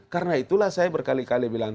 karena itulah saya berkali kali bilang